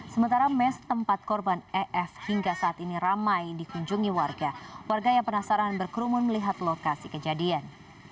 sementara mes tempat korban es hingga saat ini ramai dikunjungi warga warga yang penasaran berkerumun melihat lokasi kejadian